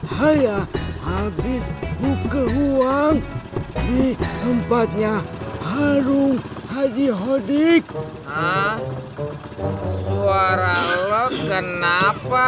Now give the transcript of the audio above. haya habis buka uang di tempatnya harung haji hodik suara lo kenapa